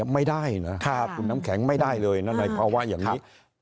ไม่ได้นะคุณน้ำแข็งไม่ได้เลยนะในภาวะอย่างนี้